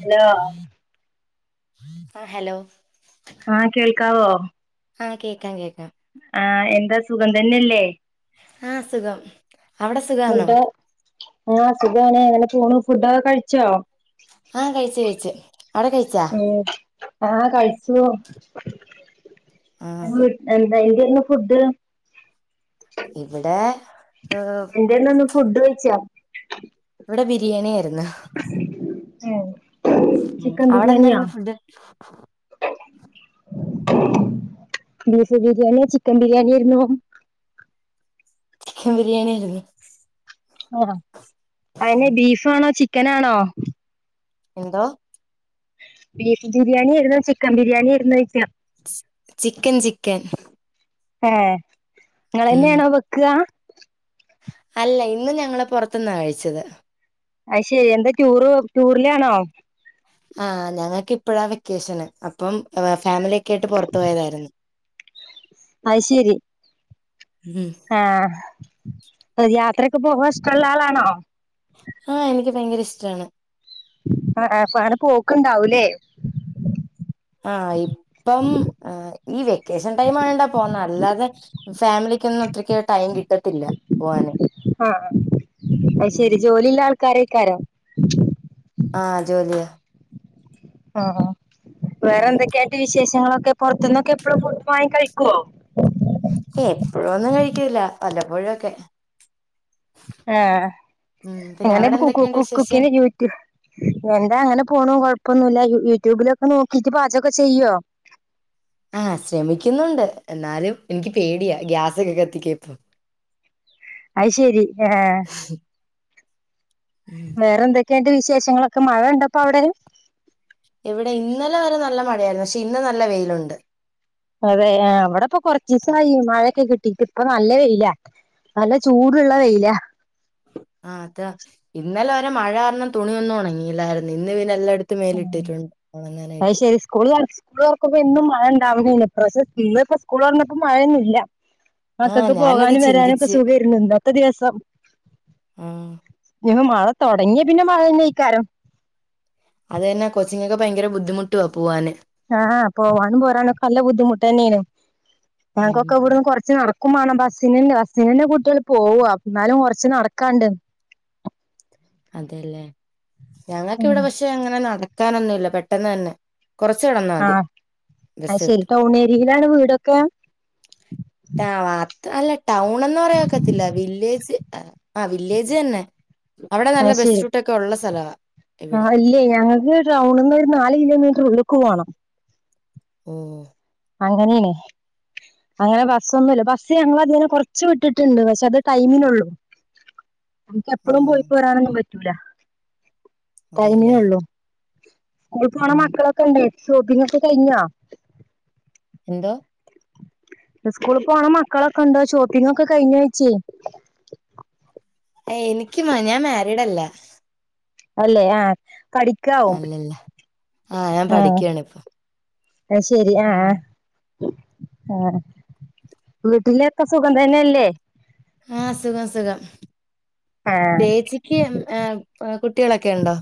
Hello ആ hello ആഹ് കേൾക്കാവോ? ആഹ് കേക്കാം കേൾക്കാം. ആഹ് എന്താ സുഖം തന്നെയല്ലേ? ആഹ് സുഖം. അവിടെ സുഖാന്നോ ഫുഡ് ആ സുഖമാണ് എങ്ങനെ പോണ് ഫുഡൊക്കെ കഴിച്ചോ? ആഹ് കഴിച്ച് കഴിച്ചു. അവിടെ കഴിച്ചാ ഉം ആഹ് കഴിച്ചു ആഹ് [unintelligible] എന്തായിരുന്നിന്ന് ഫുഡ്? ഇവിടെ. ഏഹ് എന്തെന്ന്ന്നു ഫുഡ് കഴിച്ചൊ? ഇവിടെ ബിരിയാണി ആയിരുന്ന്. ഏഹ് ഉം. ചിക്കൻ അവിടെ ബിരിയാണിയ? എന്തായിരുന്നു ഫുഡ് ബീഫ് ബിരിയാണിയ ചിക്കൻ ബിരിയാണിയിരുന്നു [unintelligible] ചിക്കൻ ബിരിയാണിയായിരുന്നു ആഹ് അതനെ ബീഫാണോ? ചിക്കനാണോ? എന്തോ? ബീഫ് ബിരിയാണി ആയിരുന്നോ ചിക്കൻ ബിരിയാണി ആയിരുന്നൊ ഴിക്ക.? Chicken chicken. ഏഹ് ഉം ഇങ്ങളന്നെയാണോ വെക്കുക? അല്ല ഇന്ന് ഞങ്ങള് പുറത്തുന്നാ കഴിച്ചത്. അയ് ശരി എന്താ ടൂറ് ടൂറിലാണോ? ആഹ് ഞങ്ങക്ക് ഇപ്പഴാ വെക്കേഷന് അപ്പം ഫാമിലി ഒക്കെ ആയിട്ട് പുറത്തു പോയതായിരുന്ന് അയ് ശരി. ഉം ആഹ് അ യാത്രക്കെ പോകാൻ ഇഷ്ടമുള്ള ആളാണോ? ആഹ് എനിക്ക് ഭയങ്കര ഇഷ്ടാണ് ആ അൻക്ക്ങ്ങനേ പോക്ക്ണ്ടാവൂല്ലേ? ആഹ് ഇപ്പം ഈ വെക്കേഷൻ ടൈം ആയോണ്ട പോന്നേ അല്ലാതെ ഫാമിലിക്കൊന്നും അത്രക്ക് ടൈം കിട്ടത്തില്ല പോവാന് ആഹ് അയ് ഉം ശരി ജോലിയുള്ള ആൾക്കാരേക്കാരം. ആഹ് ജോലിയാ. ആഹ് വേറെ ഉം എന്തൊക്കെയാന്റെ വിശേഷങ്ങളൊക്കെ പുറത്തുന്നൊക്കെ എപ്പഴും ഫുഡ് വാങ്ങി കഴിക്ക്യോ? ഏ എപ്പോഴൊന്നും കഴിക്കൂല വല്ലപ്പോഴൊക്കെ. ആഹ് ഉം പിന്നെ എങ്ങനെ അവിടെ ഇപ്പൊ കുക്കു എന്തൊക്കെയുണ്ട് കു കു വിശേഷം കൊക്കെ ജീവി എന്താ അങ്ങനെ പോണു കൊഴപ്പൊന്നുല്ല യൂട്യൂബിലൊക്കെ നോക്കിട്ട് പാചകൊക്കെ ചെയ്യുവോ? ആഹ് ശ്രമിക്കുന്നുണ്ട് എന്നാലും എനിക്ക് പേടിയാ ഗ്യാസൊക്കെ കത്തിക്കാപ്പം അയ് ശരി ആഹ് ഉം വേറെ എന്തൊക്കെയന്റെ വിശേഷങ്ങളൊക്കെ മഴണ്ടപ്പ അവിടെ? ഇവിടെ ഇന്നലെ വരെ നല്ല മഴയായിരുന്നു പക്ഷെ ഇന്ന് നല്ല വെയിലുണ്ട്. അതെ അവിടെപ്പൊ കൊറച്ച് ദിവസമായി മഴയൊക്കെ കിട്ടീട്ട് ഇപ്പ നല്ല വെയില നല്ല ചൂടുള്ള വെയിലാ- ആഹ് അത ഇന്നലെ വരെ മഴ കാരണം തുണിയൊന്നും ഉണങ്ങിയില്ലായിരുന്നു ഇന്ന് പിന്നെല്ലാം എ ത്ത് മേല ഇട്ടിട്ടുണ്ട് ഒണങ്ങാനായിട്ട് സ്കൂളി [unintelligible] സ്കൂളേറകമ്പം എന്നും മഴ ഇണ്ടാവുകക്ഷെ ഇന്ന ഇപ്പോ സ്കൂൾ പറഞ്ഞപ്പോ മഴയന്നും ഇല്ല. ആഹ് മക്കക്ക് ഞാനത് പോകാനും വരാനും ഒക്കെ ചിന്തിച്ച് സുഖ ഇരുന്നുണ്ട് അല്ലത്ത ദിവസം ആഹ് മഴ തൊടങ്ങിയ പിന്നെ മഴ തന്നക്കാരം അത് തന്നെ കൊച്ചിങ്ങൊക്കെ ഭയങ്കര ബുദ്ധിമുട്ടുവാ പോവാന്. ആഹ് പോവാനും പോരാനും ഒക്കെ നല്ല ബുദ്ധിമുട്ട് തന്നേനെ ഉം ഞങ്ങക്കൊക്കെ ഇവിടുന്ന് കൊറച്ച് നടക്ക ക്കും മാണം ബസ്സ് നന്നെ ബസ്സിനന്റെ കുട്ട്യൾ പോവ ന്നാലും കൊർച്ച് നടക്കാണ്ട്. അതെല്ലേ ഞങ്ങക്ക് ഉം വിടെ പക്ഷെ അങ്ങനെ നടക്കാനൊന്നുംല്ല പെട്ടെന്ന് തന്നെ കൊറച്ചു നടന്ന ആഹ് അഹ് ശരി ടൗൺ ഏരിയയിലാണ് വീടൊക്കെ? ആഹ് അത് അല്ല ടൗൺന്ന് പറയാക്കത്തില്ല വില്ലേജ് ആഹ് വില്ലേജ് ന്നെ അവടെ നല്ല അത് ബസ് ശരി റൂട്ട ക്കെ ഉള്ള സ്ഥലാ. ആഹ് ഇല്ലേ ഞങ്ങക്ക് ടൗണ് ന്ന് ഒര് നാല് കിലോമീറ്റർ ഉള്ള്ക്ക് പോണം. ഉം അങ്ങനെണ് അങ്ങനെ ബസ്സ് ഒന്നുംല്ല ബസ് ഞങ്ങൾ അതിനെ കൊർച്ച് വിട്ട്ട്ട്ണ്ട് പക്ഷെ അത് ടൈമിനുള്ളു. നമക്ക് എപ്പളും പോയി ഉം പോരാനൊന്നും പറ്റൂല തരിമീന അതെല്ലേ ഉള്ളു. സ്‌കൂള് പോണ ഉം മക്കളൊക്കെണ്ടെ ഷോപ്പിംഗോക്ക് കഴിഞ്ഞോ? എന്തോ? സ്കൂള് പോണ മക്കളൊക്കെ ണ്ടോ ഷോപ്പിംഗൊക്കെ കഴ്ഞ്ഞോ ഴ്ച്ചേ? എനിക്ക് മ ഞാ മാരീഡ് അല്ല. അല്ലെ ആഹ് കടി അല്ലല്ല ആഹ് ഞാൻ പഠിക്ക്യാണ് ഇപ്പൊ. അഹ് ശരി ഉം ആഹ് ഏഹ് വീട്ട്ലക്കെ സുഖം തന്നെയല്ലേ? ആഹ് സുഖം സുഖം ആഹ് ചേച്ചിക്ക് ഹേ കുട്ട്യളക്കെ ണ്ടോ?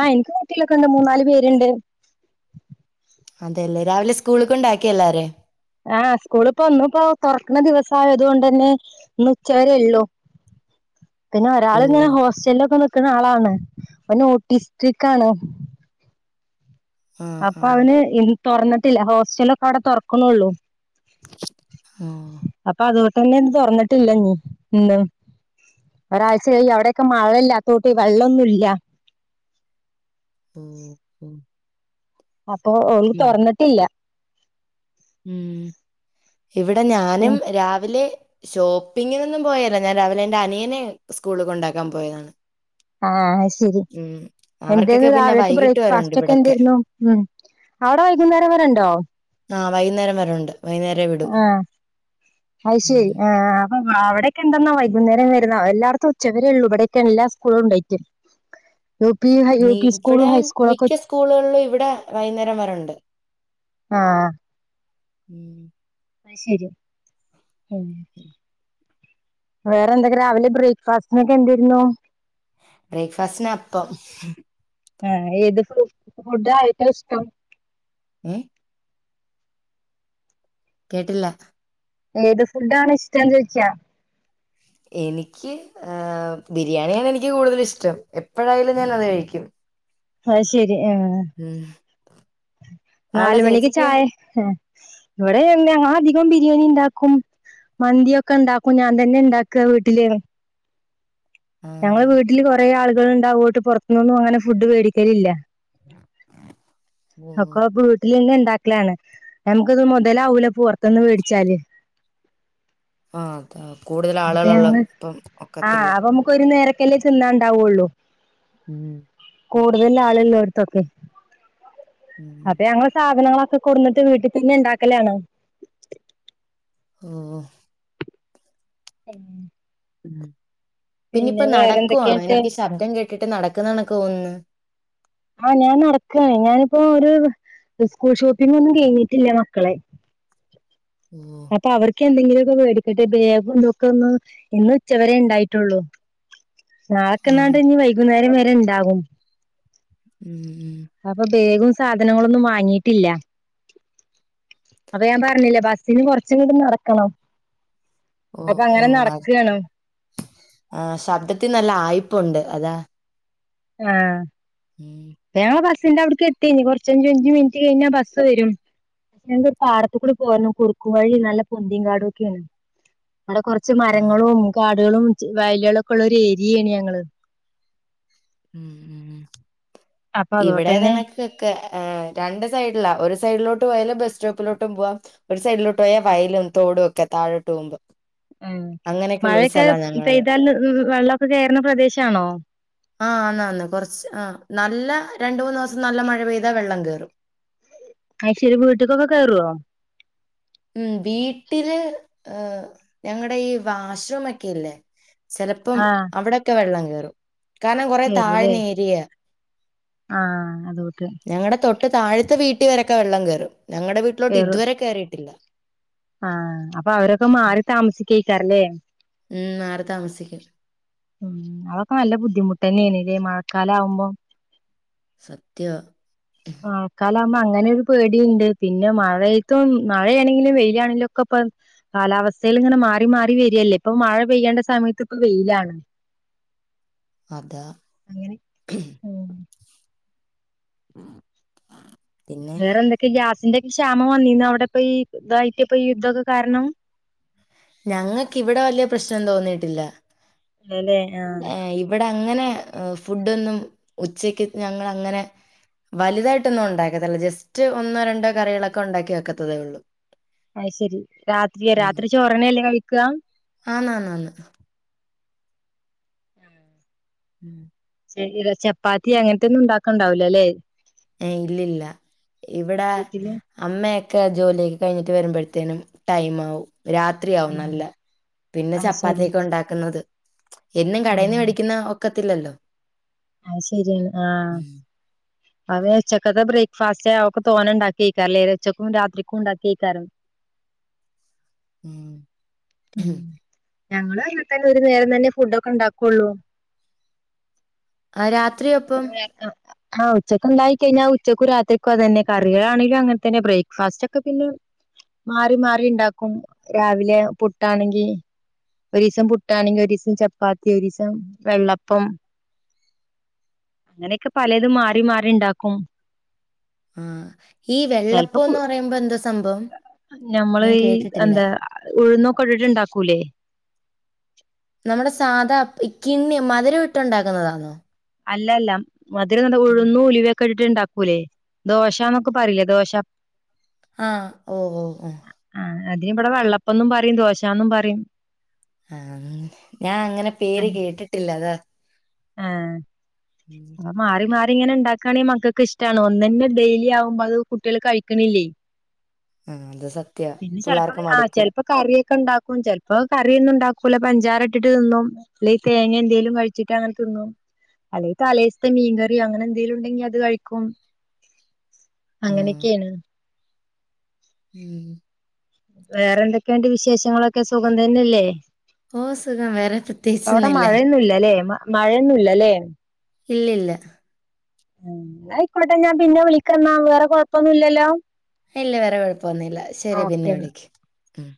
ആഹ് ഇൻക്ക് കുട്ട്യളക്കെ ണ്ട് മൂന്നാല് പേര്ണ്ട്. അതെല്ലേ രാവിലെ സ്കൂള്ക്ക് ണ്ടാക്കിഎല്ലാരെ? ആഹ് സ്കൂള് പ്പ ഒന്ന് പ്പൊ തൊർക്ക്ണ ദിവസ ആയത്കൊണ്ട് ന്നെ ഇന്ന് ഉച്ചവരെയുള്ളൂ. പിന്നെ ഒരാൾ ഓ ഇങ്ങനെ ഹോസ്റ്റൽ ലൊക്കെ നിക്ക്ണ ആളാണ് നോട്ടിസ്റ്റിക് ആണ്. ആ അപ്പ ആ അവന് ഇൻ തൊർന്ന്ട്ടില്ല ഹോസ്റ്റലൊക്കെ അവടെ തൊർക്ക്ണള്ളു. ആഹ് അപ്പ അത്കൊട്ട ന്നെന്ന് തൊർന്നിട്ടില്ല നീ ൻത. ഒരാഴ്ച കയ്യും അഒടെക്കെ മഴല്ല തോട്ട് വെള്ളന്നും ഇല്ല. ഉം ഉം അപ്പൊ ഓൽ തൊർന്നിട്ടില്ല. ഉം ഇവടെ ഞാനും പിന്നെ രാവ് ലെ ഷോപ്പിങ്ങിനൊന്നും പോയല്ല ഞാ രാവിലെ എന്റെ അനിയനെ സ്കൂള് കൊണ്ടാക്കാൻ പോയതാണ്. ആഹ് അഹ് ശരി ഉം എന്തെരുന്നു അവർക്കൊക്കെ പിന്നെ രാവിലത്തെ വൈകിട്ട് വരെ ഉണ്ട് ബ്രേക്ക്ഫാസ്റ്റ് ഒക്കെ ഇവിടൊക്കെ എന്തെരുന്നു? ഉം അവടെ വൈകുന്നേരം വരേണ്ടോ? ആഹ് വൈകുന്നരം വരെണ്ട് വൈന്നേ ആഹ് അഹ് ശരി ഉം ആഹ് ആഹ് അവടക്കെണ്ടന്നാ വൈകുന്നേരം വര്ന്ന എല്ലാട്ത്തും ഉച്ചവരെ ള്ളൂ ഇവിടെക്കെ എല്ലാ സ്കൂളും ണ്ടായിട്ട്. യു പി നീ ഇവടെ ഹൈസ്കൂളൊക്കെ മിക്ക സ്കൂള്കളും ഇവടെ വൈകുന്നേരം വരെണ്ട്. ആഹ് ഉം അഹ് ശരി ഉം വേറെ എന്തക്കെ രാവിലെ ബ്രേക്ക്ഫാസ്റ്റ്നൊക്കെ എന്താര്ന്നു? ബ്രേക്ക്ഫാസ്റ്റ്ന് അപ്പം ഏഹ് ഏത് ഫ് ഫുഡ ഏറ്റോം ഇഷ്ടം? ഏഹ് കേട്ടില്ല? ഏത് ഫുഡ് ആണ് ഇഷ്ട്ടം ചോദിച്ച എനിക്ക് ഏ ബിരിയാണിയാണ് എനിക്ക് കൂടുതൽ ഇഷ്ടം എപ്പോഴായാലും ഞാനത് കഴിക്കും അത് ശരി ആഹ് ഉം അവിടെ നാലുമണിക്ക് ചേച്ചിക്കോ? ചായ ഇവിടെ എങ്ങ അധികം ബിരിയാണി ഇണ്ടാക്കും മന്തിയൊക്കെ ഉണ്ടാക്കും ഞാൻ തന്നെ ഉണ്ടാക വീട്ടില് ഞങ്ങള് ആഹ് വീട്ടില് കുറെ ആളുകൾ ഉണ്ടാവോണ്ട് പുറത്തുനിന്നും അങ്ങനെ ഫുഡ് മേടിക്കലില്ല ഓഹ് അപ്പൊ വീട്ടിലന്നെണ്ടക്ക ലാണ് നമുക്കത് മുതലാവൂല പുറത്തന്ന് മേടിച്ചാല് ആഹ് അതാ കൂടുതൽ അപ്പൊ ആളുകളള്ള ഞങ്ങള് ഇപ്പം ആഹ് ഒക്കത്തില്ല അപ്പൊ നമുക്ക് ഒരു നേരക്കല്ലേ ചെന്നാണ്ടാവുള്ളൂ [unintelligible] കൂടുതൽ ആളല്ലോടത്തൊക്കെ ഉം അപ്പൊ ഞങ്ങൾ സാധനങ്ങളൊക്കെ കുടന്നിട്ട് വീട്ടിൽ തന്നെ ഉണ്ടാക്കലാണ് [unintelligible] [unintelligible] പിന്നിപ്പ പിന്നെ വേറെ നടക്കുവാണോ എന്തൊക്കെയായിട്ട് എനിക്ക് ശബ്ദം കേട്ടിട്ട് നടക്കുന്നതണക്ക് തോന്നുന്ന് ആഹ് ഞാൻ നടക്കയാണ് ഞാനിപ്പോ ഒരു സ്കൂൾ ഷോപ്പിംഗ് ഒന്നും കഴിഞ്ഞിട്ടില്ലേ മക്കളെ [inaudible] [inaudible] അപ്പൊ അവർക്ക് എന്തെങ്കിലുമൊക്കെ മേടിക്കട്ടെ ബേഗംന്തൊക്കെ ഒന്ന് ഇന്ന് ഉച്ചവരെ ഉണ്ടായിട്ടുള്ളൂ നാളക്കെ ആഹ് എന്നാണ്ട്ഞ് വൈകുന്നേരം വരെ ഉണ്ടാകും [unintelligible] അപ്പൊ ബെഗും സാധനങ്ങളൊന്നും വാങ്ങിയിട്ടില്ല അപ്പൊ ഞാൻ പറഞ്ഞില്ലേ ബസ്സിന് കൊറച്ചിങ്ങട് നടക്കണം ഓ അപ്പൊ ഓ അങ്ങനെ അത് നടക്കാണ് ആ ശബ്ദത്തി നല്ല ആയിപുണ്ട് അതാ [unintelligible] [unintelligible] ഞാൻ ബസ്സിന്റെ അവിടക്ക് എത്തിനി കുറച്ഞ്ച് മിനിറ്റ് കഴിഞ്ഞാ ബസ് വരും പക്ഷെ ഞ പാടത്ത കൂടി പോകന് കുറുക്കും വഴി നല്ല പൊന്തിൻ കാടും ഒക്കെയാണ് അവിടെ കുറച്ച് ച്ച് ആഹ് മരങ്ങളും കാടുകളും വയലുകളൊക്കെ ഉള്ള ഒരു ഏരിയയാണ് ഞങ്ങള് അപ്പൊ ഇവിടെ അതോട്ടന്നെ ഏതാണ് ക്കെ രണ്ട് സൈഡില ഒരു സൈഡിലോട്ട് പോയാലും ബസ് സ്റ്റോപ്പിലോട്ടും പോവാം ഒരു സൈഡിലോട്ട് പോയാ വയലും തോടും ഒക്കെ താഴോട്ട് പോകുമ്പം ഉ മഴയൊക്കെ പെയ്താൽ വെള്ളക്കെ കയറുന്ന പ്രദേശാണോ ആഹ് ആന്ന ആന്ന് കുറച്ച് ആഹ് നല്ല രണ്ട് മൂന്ന് ദിവസം നല്ല മഴ പെയ്താ വെള്ളം കയറും അത് ശരി വീട്ടിക്കെക്കെ കയറോ ഉം വീട്ടില് ഞങ്ങളുടെ ഈ വാഷ്റൂം ഒക്കെല്ലേ ചെലപ്പം ആഹ് അവിടെക്കെ വെള്ളം കേയറും കാരണം കൊറെ കേറൂലേ താഴ്ന്ന ഏരിയ ആഹ് അതൊട്ട് ഞങ്ങളുടെ തൊട്ട് താഴത്തെ വീട്ടി വരൊക്കെ വെള്ളം കയറും ഞങ്ങടെ വീട്ടിലോട്ട് കേറും ഇതുവരെ കയറിയിട്ടില്ല ആഹ് അപ്പൊ അവരൊക്കെ മാറി താമസിക്കഴക്കാറല്ലേ ഉം മാറി താമസിക്കും ഉം അതൊക്കെ നല്ല ബുദ്ധിമുട്ട് തന്നെയാണ് ഇല്ലേ മഴക്കാലം ആവുമ്പം സത്യവാ [inaudible] ആൾക്കാലാവുമ്പ അങ്ങനൊരു പേടിയിണ്ട് പിന്നെ മഴയെത്തും മഴയാണെങ്കിലും വെയിലാണെങ്കിലും ഒക്കെ ഇപ്പ കാലാവസ്ഥയിലിങ്ങനെ മാറി മാറി വെരിയല്ലേ ഇപ്പൊ മഴ പെയ്യേണ്ട സമയത്ത് ഇപ്പൊ വെയിലാണ് അതാ അങ്ങനെ [inaudible] ഉം [unintelligible] വേറെന്തൊക്കെ ഈ ഗ്യാസിന്റെ ക്ഷാമം വന്നീന്നോ അവ്ടെ പ്പയീതായിട്ട് പ്പയീ യുദ്ധോക്കെ കാര്ണം. ഞങ്ങക്കിവിടെ വല്യ പ്രശ്നം തോന്നീട്ടില്ല. അതെല്ലേ ആഹ് ഏഹ് ഇ ഇവിടെ അങ്ങനെ ഏ ഫുടൊന്നും ഉച്ചയ്ക്ക് ഞങ്ങളങ്ങനെ വല്തായിട്ടൊന്നും ഒണ്ടാക്കത്തില്ല. ജസ്റ്റ് ഒന്നോ രണ്ടോ കറികളൊക്കെ ഒണ്ടാക്കി വെക്കത്തതേ ഒള്ളൂ. അയ് ശെരി രാത്രിയ രാത്രി ചോറന്നല്ലേ കഴിക്കാ? ആന്നാ ന്നാ ന്ന് ഉം. ശെരിടാ ചപ്പാത്തി അങ്ങൻത്തൊന്നും ണ്ടാക്കണ്ടാവുലല്ലേ. ഏയ് ഇല്ലില്ല. ഇവിടെ വീട്ടില് അമ്മയെക്കെ ജോലിയൊക്കെ കഴിഞ്ഞിട്ട് വരുമ്പെഴത്തേനും ടൈമാവും. രാത് ത്രിയാവും നല്ല പിന്നെ അത് ശരി ചപ്പാത്തിയൊക്കെ ഒണ്ടാക്ക്ന്നത് എന്നും കടേന്ന് ആഹ് വേടിക്കുന്ന ഒക്കത്തില്ലല്ലോ അയ് ശെര്യാണ്. ആഹ് ഉം. [unintelligible] ഉച്ചക്കത്തെ ബ്രേക്ക്ഫാസ്റ്റ് അ ഒക്കെ തോനെണ്ടാ ക്കേക്കാരം ലേ ഉച്ചക്കും രാത്രിക്കും ണ്ടാക്കേക്കാരം. ഉം, ഉം ഞങ്ങളും അനത്തന്നെ ഒരു നേരം തന്നെ ഫുഡോക്കെണ്ടാക്കൊള്ളൂ. ആ രാത്രി അപ്പം [unintelligible] ആഹ് ഉച്ചക്കൊണ്ടായി കഴിഞ്ഞാ ഉച്ചക്കും രാത്രിക്കും അതന്നെ. കറികളാണെലും അങ്ങൻ തന്നെ ബ്രേക്ക്ഫാസ്റ്റൊക്കെ പിന്നെ മാറി മാറിണ്ടാക്കും. രാവിലെ പുട്ടാണെങ്കി ഒരീസം പുട്ടാണെങ്കി ഒരീസം ചപ്പാത്തി ഒരീസം വെള്ളപ്പം അങ്ങനൊക്കെ പലതും മാറി മാറി ണ്ടാക്കും ആഹ്, ഈ ചെലപ്പോ കു വെള്ളപ്പോന്ന് പറയുമ്പൊ എന്താ സംഭവം? ഞമ്മള് ഞാൻ ഈ കേട്ടിട്ടില്ല. എന്താ ഉഴുന്നൊക്കെ ഇട്ടിട്ട് ണ്ടാക്കൂലേ നമ്മുടെ സാധാ അപ്പ് ഈ കിണ്ണി മധുരം ഇട്ടൊണ്ടാക്ക്ന്നതാന്നോ? അല്ലല്ല. മധുര [unintelligible] ഉഴുന്നും ഉലുവയൊക്കെ ഇട്ടിട്ടുണ്ടാ ക്കൂലേ ദോശാന്നൊക്കെ പറയില്ലേ ദോശ ആഹ് ഓഹ് ഓഹ് ഓഹ് ആഹ് അതിനിവടെ വെള്ളപ്പന്നും പറിം ദോശാന്നും പറിം. ആഹ് ഞാ അങ്ങനെ പേര് കേട്ടിട്ടില്ല അതാ. ആഹ് അപ്പ [unintelligible] മാറി മാറി ഇങ്ങനെണ്ടാക്കാണെ മക്കക്ക് ഇഷ്ടാണ് ഒന്നന്നെ ഡെയിലി ആവുമ്പോ അത് കുട്ട്യള് കഴിക്ക്ണില്ലേ. ഉം ത് സത് പിന്നെ ചെൽപ്പോ ആ ചെൽപ്പോ കറി ഒക്കെണ്ടാക്കും, ചെൽപ്പോ കറിന്നും ണ്ടാക്കൂല പഞ്ചാരട്ടിട്ട് തിന്നും. അല്ലേ തേങ്ങെന്തേലും കഴിച്ചിട്ടാങ്ങൻ തിന്നും. അല്ലെ തലേസ്ത്തെ മീൻകറിയോ അങ്ങനെന്തേലുണ്ടെങ്കി അത് കയിക്കും. ഉം അങ്ങനെയൊക്കെണ്. ഉം. വേറെന്തെക്കെണ്ട് വിശേഷങ്ങളൊക്കെ സുഖം തന്നെയല്ലേ? ഓഹ് സുഖം വേറെ അവടെ പ്രത്യേകിച്ചൊന്നുല്ല മഴയൊന്നുല്ലല്ലേ മ മഴയൊന്നുല്ലല്ലേ ഇല്ലില്ല. ഉം ന്നായിക്കോട്ടെ ഞാൻ പിന്നെ വിളിക്കന്നാ വേറെ കൊഴപ്പൊന്നുല്ലല്ലോ? ഇല്ല വേറെ കൊഴപ്പൊന്നുല്ല ശെരി ഓക്കെ പിന്നെ എന്നാ വിളിയ്ക്ക്. ഉം